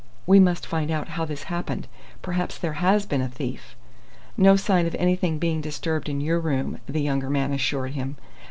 "We must find out how this happened. Perhaps there has been a thief " "No sign of anything being disturbed in your room," the younger man assured him.